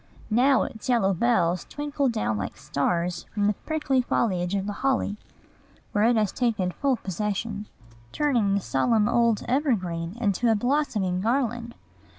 Now its yellow bells twinkle down like stars from the prickly foliage of the holly, where it has taken full possession, turning the solemn old evergreen into a blossoming garland.